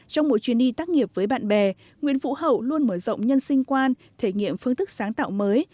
trong một chuyến đi tác nghiệp với bạn bè nguyễn vũ hậu luôn mở rộng nhân sinh quan thể nghiệm phương thức sáng tạo mới